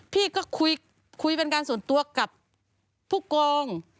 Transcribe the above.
พี่ก็คุยเป็นการส่วนตัวกับผู้กอง